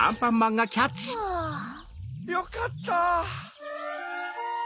よかった！